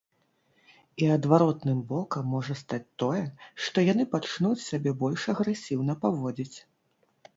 І адваротным бокам можа стаць тое, што яны пачнуць сябе больш агрэсіўна паводзіць.